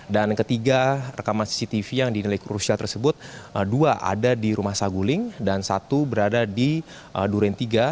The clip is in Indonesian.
dan ketiga rekaman cctv yang dinilai krusial tersebut dua ada di rumah saguling dan satu berada di durintiga